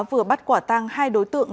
vừa bắt quả tang hai đối tượng